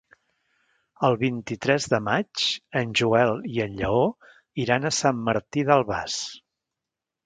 El vint-i-tres de maig en Joel i en Lleó iran a Sant Martí d'Albars.